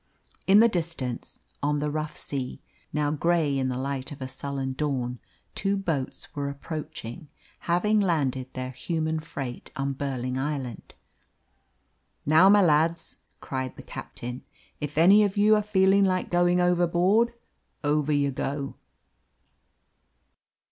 In the distance, on the rough sea, now grey in the light of a sullen dawn, two boats were approaching, having landed their human freight on Burling Island. "Now, my lads," cried the captain, "if any of you are feeling like going overboard, over you go."